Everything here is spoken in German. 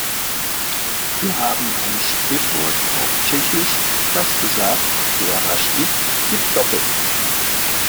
Wir haben ein Sprichwort auf Tschechisch, das besagt "wer rasch gibt, gibt doppelt".